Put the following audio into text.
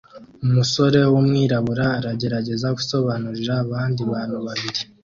Umusore wumwirabura aragerageza gusobanurira abandi bantu babiri